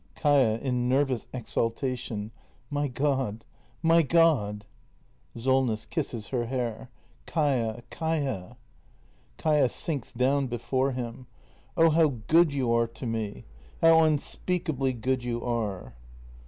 Kaia. [In nervous exaltation.] My God! My God! Solness. [Kisses her hair.] Kaia — Kaia! Kaia. [Sinks down before him.] Oh, how good you are to me! How unspeakably good you are!